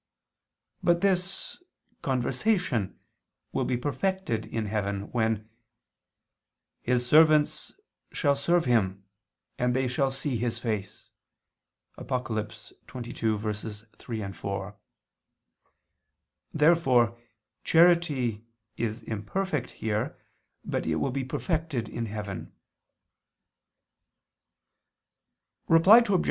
But this "conversation" will be perfected in heaven, when "His servants shall serve Him, and they shall see His face" (Apoc. 22:3, 4). Therefore charity is imperfect here, but will be perfected in heaven. Reply Obj.